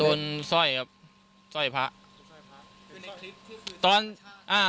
โดนซ่อยครับซ่อยพระ